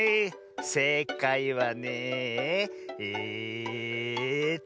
せいかいはねええと。